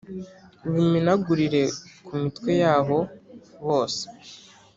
ubimenagurire ku mitwe yabo bose